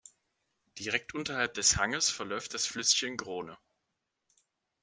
Direkt unterhalb des Hanges verläuft das Flüsschen Grone.